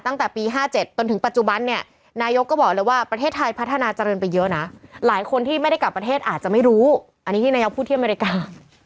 ตั้งแต่ปี๕๗จนถึงปัจจุบันเนี่ยนายกก็บอกเลยว่าประเทศไทยพัฒนาเจริญไปเยอะนะหลายคนที่ไม่ได้กลับประเทศอาจจะไม่รู้อันนี้ที่นายกพูดที่อเมริกา